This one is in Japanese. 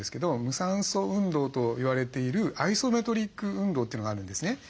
無酸素運動といわれているアイソメトリック運動というのがあるんですね。